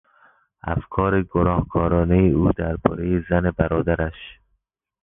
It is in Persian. افکار گنهکارانهی او دربارهی زن برادرش